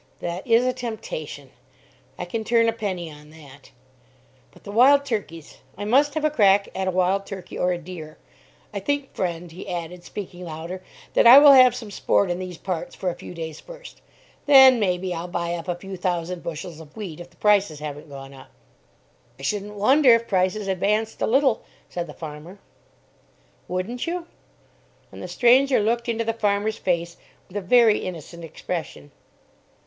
"That is a temptation! I can turn a penny on that. But the wild turkeys; I must have a crack at a wild turkey or a deer. I think, friend," he added, speaking louder, "that I will have some sport in these parts for a few days first. Then, maybe, I'll buy up a few thousand bushels of wheat, if the prices haven't gone up." "I shouldn't wonder if prices advanced a little," said the farmer. "Wouldn't you?" And the stranger looked into the farmer's face with a very innocent expression.